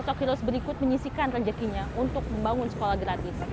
kupang mengikut menyisikan rezekinya untuk membangun sekolah gratis